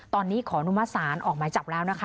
ตอนนี้ของอนุมสารออกมาจับแล้วนะคะ